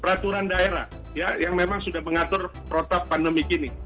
peraturan daerah yang memang sudah mengatur protap pandemi kini